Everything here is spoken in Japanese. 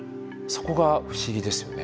そこが不思議ですよね。